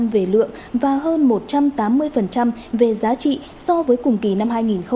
về lượng và hơn một trăm tám mươi về giá trị so với cùng kỳ năm hai nghìn một mươi chín